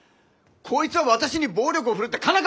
こいつは私に暴力を振るって佳奈